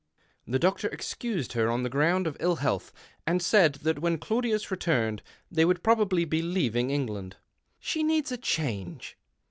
The doctor excused her on the ground of ill health, and said that when Claudius returned they would probably be leaving England. " She needs a change."